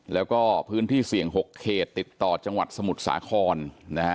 แล้วก็พื้นที่เสี่ยง๖เขตติดต่อจังหวัดสมุทรสาครนะฮะ